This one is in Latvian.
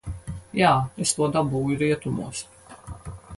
Jā, es to dabūju rietumos.